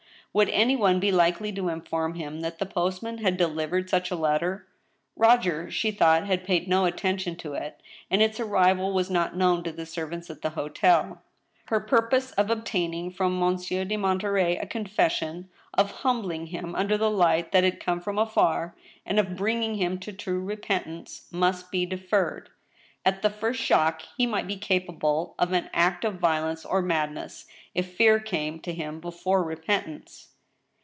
Would any one be likely to inform him that the postman bad deliv ered such a letter? Roger, she thought, had paid no attention to it, and its arrival was not known to the servants at the hotel. Her purpose of obtaining from Monsieur de Monterey a confes sion, of humbling him under the light that had come from afar, and of bringing him to true repentance, must be deferred. At the first shock, he might be capable of any act of violence or madness,'if fear came to liim before repentance.